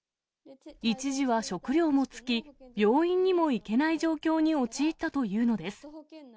一時は食料も尽き、病院にも行けない状況に陥ったというのです。